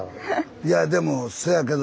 いやでもせやけど。